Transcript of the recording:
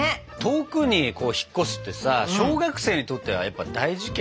遠くに引っ越すってさ小学生にとってはやっぱ大事件ですもんね。